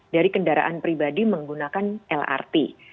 dari kendaraan pribadi menggunakan lrt